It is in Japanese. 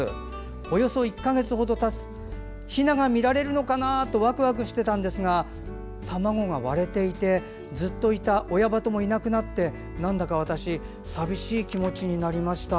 およそ１か月程たってひなが見られるかなとワクワクしてたんですが卵が割れていてずっといた親バトもいなくなってなんだか私寂しい気持ちになりました。